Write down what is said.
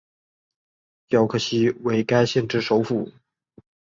皎克西为该县之首府。